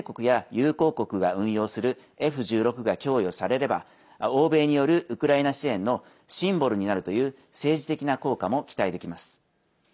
またアメリカの同盟国や友好国が運用するＦ１６が供与されれば欧米によるウクライナ支援のシンボルになるという政治的な効果も期待できます。